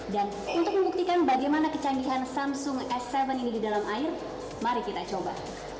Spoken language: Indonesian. dan untuk membuktikan bagaimana kecanggihan samsung s tujuh ini di dalam air mari kita coba